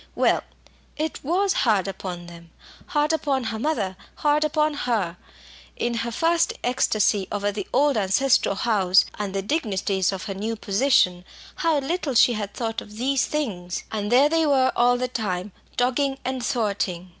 Well, it was hard upon them! hard upon her mother hard upon her. In her first ecstasy over the old ancestral house and the dignities of her new position, how little she had thought of these things! And there they were all the time dogging and thwarting.